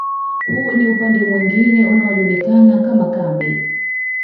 Huu ni upande mwingine unaojulikana kama kambi